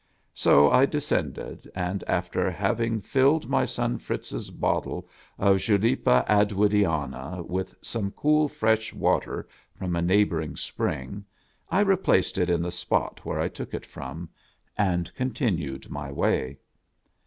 So I descended, and, after having filled my son Fritz's bottle of Julepa Attwoodiana with some cool fresh water from a neighboring spring, I re placed it in the spot where I took it from, and con tinued my way.